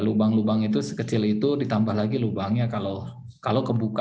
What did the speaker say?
lubang lubang itu sekecil itu ditambah lagi lubangnya kalau kebuka